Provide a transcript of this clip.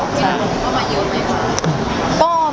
มีคนเข้ามาเยอะไหมคะ